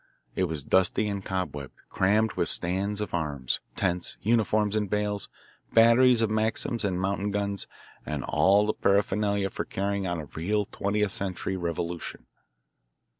It was dusty and cobwebbed, crammed with stands of arms, tents, uniforms in bales, batteries of Maxims and mountain guns, and all the paraphernalia for carrying on a real twentieth century revolution.